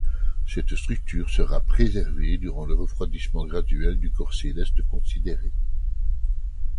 Cette structure sera préservée durant le refroidissement graduel du corps céleste considéré.